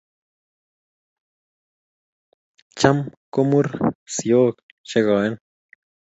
Cham kumur sioik che koen